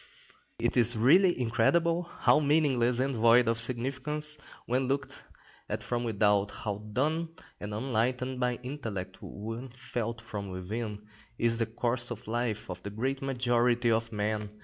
It is really incredible how meaningless and void of significance when looked at from without, how dull and unenlightened by intellect when felt from within, is the course of the life of the great majority of men.